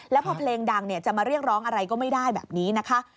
แล้วพอเพลงดังจะมาเรียกร้องอะไรก็ไม่ได้แบบนี้นะคะ